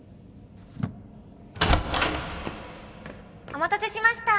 お待たせしました。